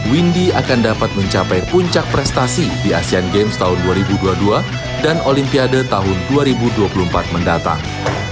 windy akan dapat mencapai puncak prestasi di asean games tahun dua ribu dua puluh dua dan olimpiade tahun dua ribu dua puluh empat mendatang